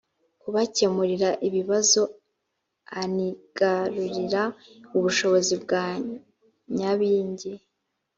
kubakemurira ibibazo anigarurira ubushobozi bwa nyabingi